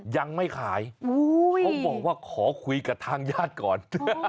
ยังไม่ขายเขาบอกว่าขอคุยกับทางญาติก่อน